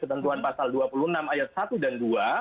ketentuan pasal dua puluh enam ayat satu dan dua